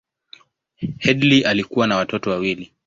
Headlee alikuwa na watoto wawili.